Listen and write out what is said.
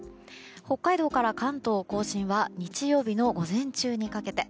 北海道から関東・甲信は日曜日の午前中にかけて。